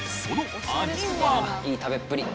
いい食べっぷり。